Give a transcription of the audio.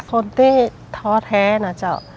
คนที่ท้อแท้นะเจ้า